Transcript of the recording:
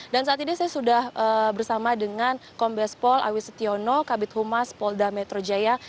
dan saat ini saya sudah bersama dengan kombes pol awis setiono kabit humas polda metro jaya